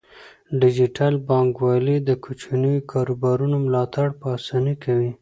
ډیجیټل بانکوالي د کوچنیو کاروبارونو ملاتړ په اسانۍ کوي.